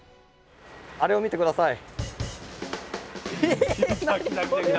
あれを見て下さい！